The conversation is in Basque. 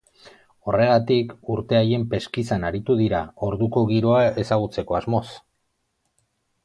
Horregatik, urte haien peskizan aritu dira, orduko giroa ezagutzeko asmoz.